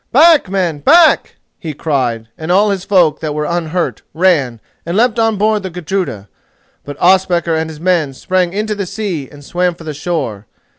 "Back! men; back!" he cried, and all his folk that were unhurt, ran, and leapt on board the Gudruda; but Ospakar and his men sprang into the sea and swam for the shore.